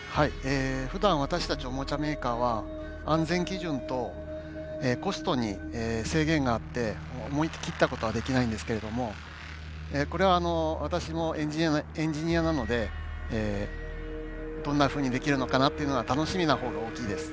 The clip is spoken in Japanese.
ふだん私たちオモチャメーカーは安全基準とコストに制限があって思い切ったことはできないんですけれどもこれは私もエンジニアなのでどんなふうにできるのかなっていうのは楽しみなほうが大きいです。